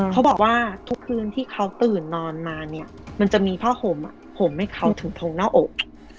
เขาบอกว่าทุกคืนที่เขาตื่นนอนมาเนี่ยมันจะมีผ้าห่มห่มให้เขาถึงทงหน้าอก